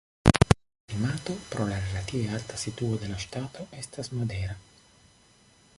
La klimato pro la relative alta situo de la ŝtato estas modera.